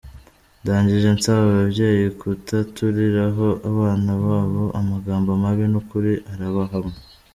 Ndangije nsaba ababyeyi kutaturiraho abana babo amagambo mabi, n’ukuri arabahama.